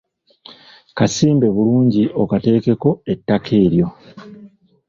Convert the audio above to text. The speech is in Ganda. Kasimbe bulungi okateekeko ettaka eryo.